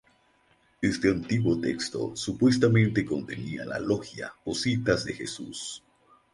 Este antiguo texto supuestamente contenía las logia o citas de Jesús.